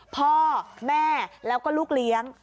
พ่อแม่แล้วก็ลูกเลี้ยง